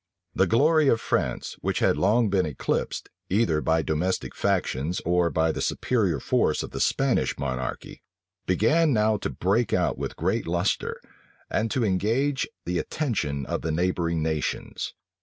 The glory of France, which had long been eclipsed, either by domestic factions, or by the superior force of the Spanish monarchy, began now to break out with great lustre, and to engage the attention of the neighboring nations.